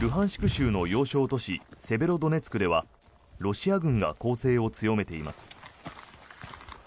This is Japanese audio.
州の要衝都市セベロドネツクではロシア軍が攻勢を強めています。